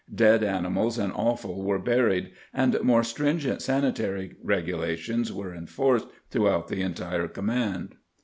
Dead animals and offal were buried, and more stringent sanitary regulations were enforced throughout the entire command.